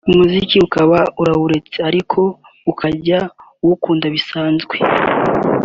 umuziki ukaba urawuretse ariko ukajya uwukunda bisanzwe